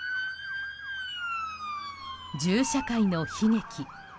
銃社会の悲劇。